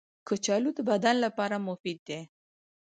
کچالو د بدن لپاره مفید دي